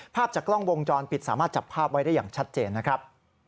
ภาพจากกล้องวงจรปิดสามารถจับภาพไว้ได้อย่างชัดเจนนะครับ